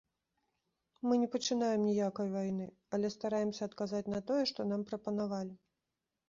Мы не пачынаем ніякай вайны, але стараемся адказаць на тое, што нам прапанавалі.